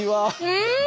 うん。